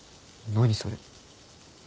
何それ。